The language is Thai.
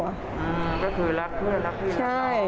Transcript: อืมก็คือรักเพื่อนรักพี่รักข้าวเองเนอะ